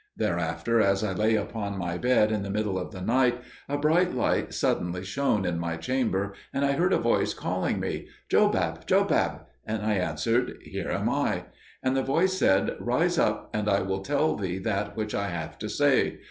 Thereafter, as I lay upon my bed, in the middle of the night, a bright light suddenly shone in my chamber, and I heard a voice calling me, "Jobab, Jobab!" (and I answered, "Here am I"). And the voice said, "Rise up, and I will tell thee that which I have to say.